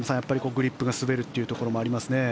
グリップが滑るというところもありますね。